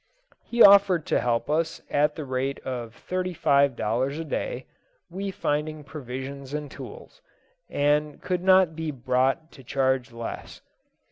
He offered to help us at the rate of thirty five dollars a day, we finding provisions and tools, and could not be brought to charge less.